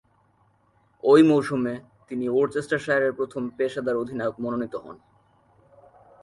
ঐ মৌসুমে তিনি ওরচেস্টারশায়ারের প্রথম পেশাদার অধিনায়ক মনোনীত হন।